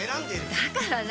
だから何？